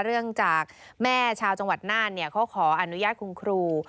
เรื่องจากแม่ชาวจังหวัดน่านเขาขออนุญาตคุณครู